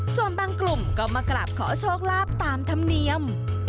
ส่วนบางกลุ่มก็มากราบขอโชคลาภตามธรรมเนียม